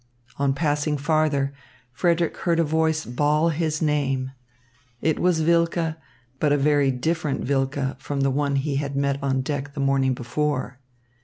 On passing farther, Frederick heard a voice bawl his name. It was Wilke, but a very different Wilke from the one he had met on deck the morning before.